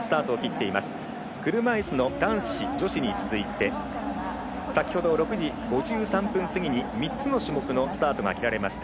車いすの男子、女子に続いて先ほど６時５３分過ぎに３つの種目のスタートが切られました。